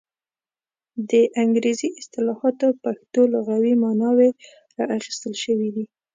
د انګریزي اصطلاحاتو پښتو لغوي ماناوې را اخیستل شوې دي.